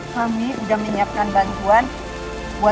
kami udah menyiapkan bantuan buat kamu